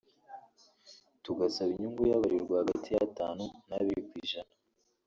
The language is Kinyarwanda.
tugasaba inyungu y’abarirwa hagati y’atanu n’abiri ku ijana